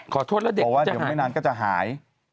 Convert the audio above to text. เพราะว่าเดี๋ยวไม่นานก็จะหาย